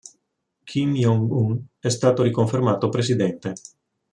Kim Jong-un è stato riconfermato presidente.